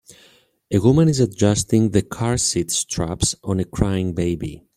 A woman is adjusting the carseat straps on a crying baby.